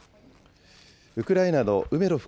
ウクライナのウメロフ